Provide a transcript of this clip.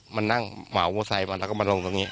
มันนั่งหม่อมูอร์ไซด์มาแล้วมาลงตรงนี้